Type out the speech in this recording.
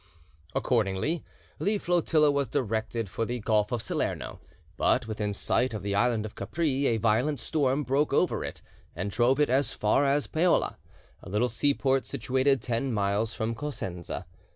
Accordingly the flotilla was directed for the Gulf of Salerno, but within sight of the island of Capri a violent storm broke over it, and drove it as far as Paola, a little seaport situated ten miles from Cosenza.